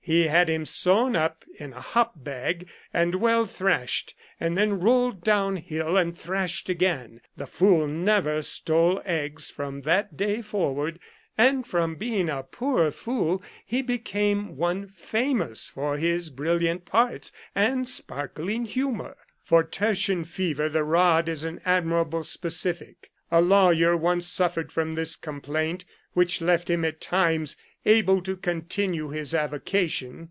He had him sewn up in a hop bag and well thrashed, and then rolled down hill and thrashed Eigain. The fool never stole eggs from that day forward, and from being but a poor fool he became one famous for his brilliant parts and sparkling humour. For tertian fever, the rod is an admirable specific. A lawyer once suffered from this complaint, which left him at times able to condnue his avocation.